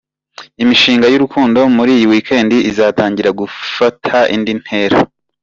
Imishinga y’urukundo muri iyi weekend izatangira gufata indi ntera.